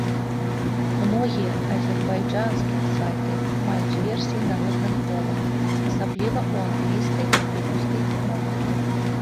Многія азербайджанскія сайты маюць версіі на розных мовах, асабліва ў англійскай і рускай мовах.